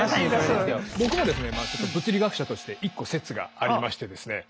僕もですね物理学者として一個説がありましてですね。